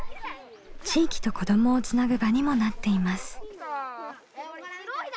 地域と子どもをつなぐ場にもなっています。